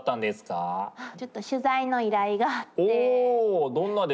ちょっと取材の依頼があって。